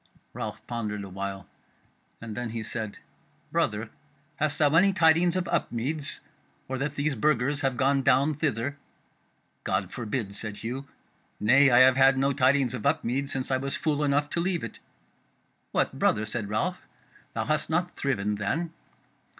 Ralph pondered a while, and then he said: "Brother, hast thou any tidings of Upmeads, or that these Burgers have gone down thither?" "God forbid!" said Hugh. "Nay, I have had no tidings of Upmeads since I was fool enough to leave it." "What! brother," said Ralph, "thou hast not thriven then?"